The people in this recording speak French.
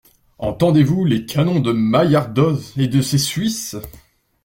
Entendez-vous les canons de Maillardoz et de ses Suisses?